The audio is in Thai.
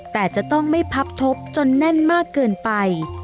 แต่จะต้องไม่พับทบจนแน่นมากเกินไป